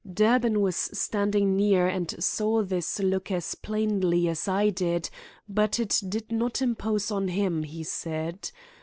Durbin was standing near and saw this look as plainly as I did, but it did not impose on him, he said.